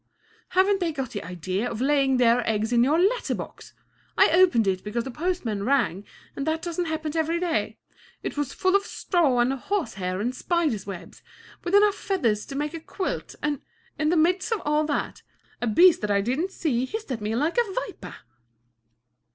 "Haven't they got the idea of laying their eggs in your letter box! I opened it because the postman rang and that doesn't happen every day. It was full of straw and horsehair and spiders' webs, with enough feathers to make a quilt, and, in the midst of all that, a beast that I didn't see hissed at me like a viper!"